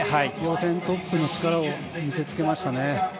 予選トップの力を見せつけましたね。